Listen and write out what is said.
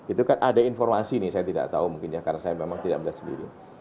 itu kan ada informasi nih saya tidak tahu mungkin ya karena saya memang tidak melihat sendiri